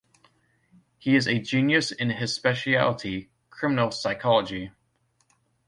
He is a genius in his speciality: criminal psychology.